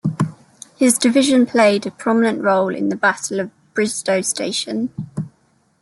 His division played a prominent role in the Battle of Bristoe Station.